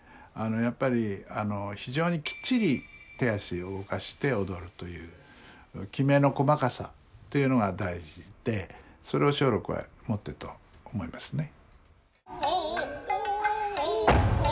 やっぱり非常にきっちり手足を動かして踊るというきめの細かさというのが大事でそれを松緑は持ってると思いますね。